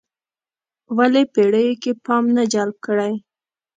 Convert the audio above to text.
ولې پېړیو کې پام نه جلب کړی.